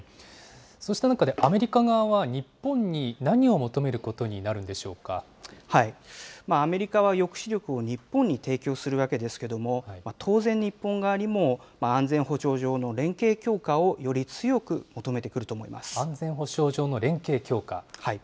そうした中でアメリカ側は、日本に何を求めることになるんでアメリカは抑止力を日本に提供するわけですけれども、当然日本側にも安全保障上の連携強化を安全保障上の連携強化。